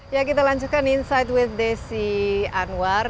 ya kita lanjutkan insight with desi anwar